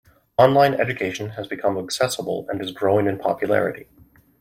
Online Education has become accessible and is growing in popularity.